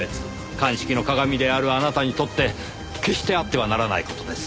鑑識のかがみであるあなたにとって決してあってはならない事です。